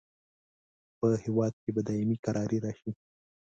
په هیواد کې به دایمي کراري راشي.